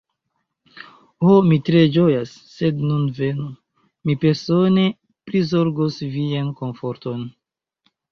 Ho, mi tre ĝojas; sed nun venu, mi persone prizorgos vian komforton.